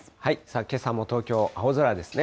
けさも東京、青空ですね。